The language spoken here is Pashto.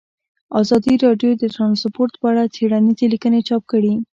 ازادي راډیو د ترانسپورټ په اړه څېړنیزې لیکنې چاپ کړي.